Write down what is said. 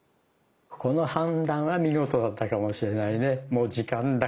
この判断は見事だったかもしれないね。